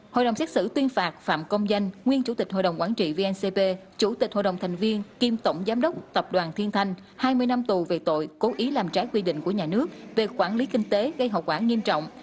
hội đồng xét xử tuyên phạt phạm công danh nguyên chủ tịch hội đồng quản trị vncp chủ tịch hội đồng thành viên kiêm tổng giám đốc tập đoàn thiên thanh hai mươi năm tù về tội cố ý làm trái quy định của nhà nước về quản lý kinh tế gây hậu quả nghiêm trọng